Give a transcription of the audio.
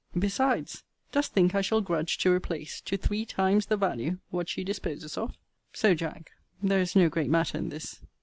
Besides, dost think I shall grudge to replace, to three times the value, what she disposes of? So, Jack, there is no great matter in this.